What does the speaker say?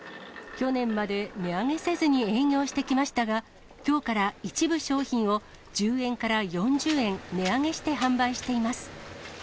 去年まで値上げせずに営業してきましたが、きょうから一部商品を１０円から４０円値上げして販売しています。